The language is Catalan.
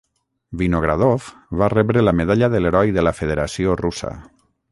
Vinogradov va rebre la medalla de l'Heroi de la Federació Russa.